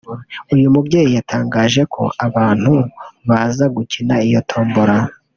uyu mubyeyi yatangaje ko abantu baza gukina iyo tombola